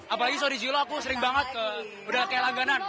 apalagi sodi zilo aku sering banget ke udah kayak langganan